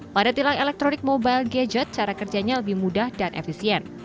pada tilang elektronik mobile gadget cara kerjanya lebih mudah dan efisien